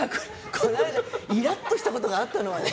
この間イラッとしたことがあったのはね